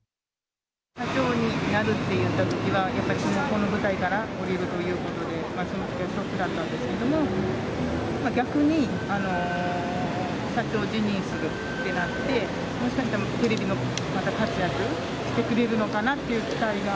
社長になるって言ったときは、やっぱりこの舞台から降りるということで、そのときはショックだったんですけれども、逆に社長辞任するってなって、もしかしたら、テレビでまた活躍、してくれるのかなっていう期待が。